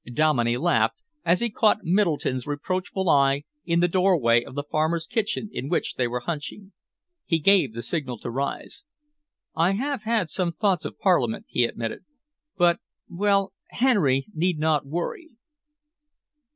Dominey laughed as he caught Middleton's reproachful eye in the doorway of the farmer's kitchen in which they were hunching. He gave the signal to rise. "I have had some thoughts of Parliament," he admitted, "but well, Henry need not worry."